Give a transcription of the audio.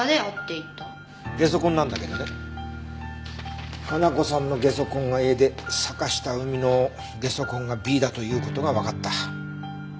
ゲソ痕なんだけどね可奈子さんのゲソ痕がＡで坂下海のゲソ痕がＢだという事がわかった。